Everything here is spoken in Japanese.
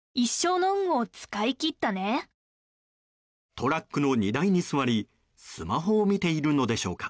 トラックの荷台に座りスマホを見ているのでしょうか。